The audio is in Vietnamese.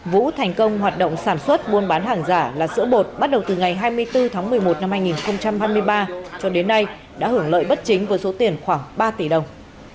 vũ thành công hoạt động sản xuất buôn bán hàng giả là sữa bột bắt đầu từ ngày hai mươi bốn tháng một mươi một năm hai nghìn hai mươi ba cho đến nay đã hưởng lợi bất chính với số tiền khoảng ba tỷ đồng